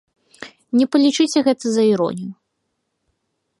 Не палічыце гэта за іронію.